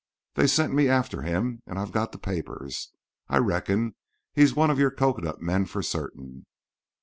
They sent me after him, and I've got the papers. I reckon he's one of your cocoanut men for certain."